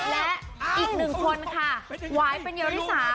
และอีกหนึ่งคนค่ะไหว้เป็นเย้อลิสา